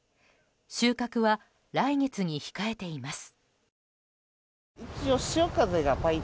収穫は来月に控えています。